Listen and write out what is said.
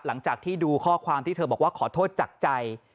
หลังจากที่ดูข้อความที่เธอบอกว่าขอโทษจากใจ